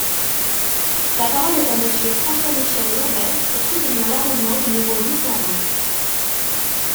La parole est à Monsieur François-Michel Lambert, pour soutenir l’amendement numéro huit cent un.